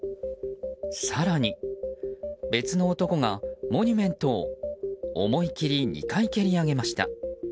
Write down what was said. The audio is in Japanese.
更に、別の男がモニュメントを思い切り２回蹴り上げました。